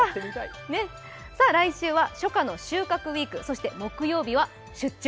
来週は初夏の収穫ウイーク、そして木曜日は「出張！